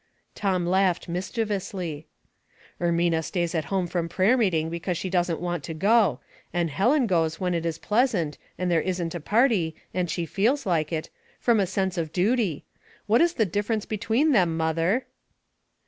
Tom laughed mischievously. " Ermiua stays at home from prayer meeting because she doesn't want to go ; and Helen goes when it is pleasant, and there isn't a party, and she feels like it — from a sense of duty. What is the difference between them, mother?'